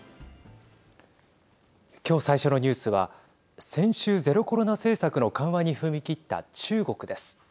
今日、最初のニュースは先週ゼロコロナ政策の緩和に踏み切った中国です。